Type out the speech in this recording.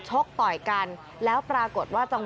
ชกต่อยกันแล้วปรากฏว่า